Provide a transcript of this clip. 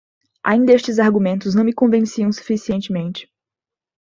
Ainda estes argumentos me não convenciam suficientemente